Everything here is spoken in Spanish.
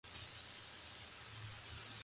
De este club surgió el nombre de la radio.